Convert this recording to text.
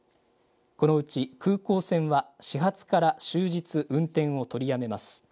このうち空港線は始発から終日、運転を取りやめます。